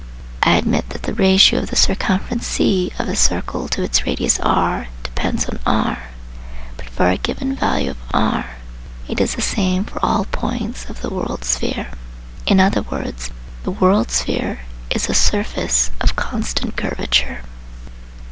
I admit that the ratio of the circumference c of a circle to its radius r depends on r, but for a given value of r it is the same for all points of the " worldsphere "; in other words, the " world sphere " is a " surface of constant curvature."